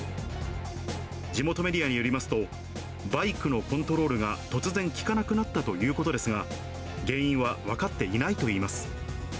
地元メディアによりますと、バイクのコントロールが突然利かなくなったということですが、原因は分かっていないといいます。